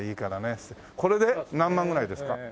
これで何万ぐらいですか？